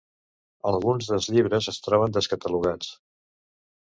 Alguns dels llibres es troben descatalogats.